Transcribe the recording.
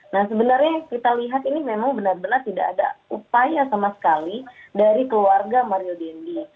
nah sebenarnya kita lihat ini memang benar benar tidak ada upaya sama sekali dari keluarga mario dendi